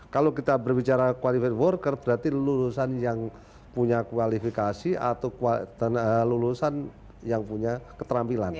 kalau kita berbicara qualified worker berarti lulusan yang punya kualifikasi atau lulusan yang punya keterampilan